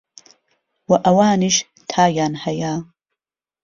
وە ئەوانیش تایان هەیە